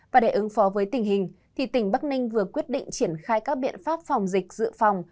và để ứng phó với tình hình tỉnh bắc ninh vừa quyết định triển khai các biện pháp phòng dịch dự phòng